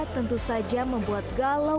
tentu saja membuat galau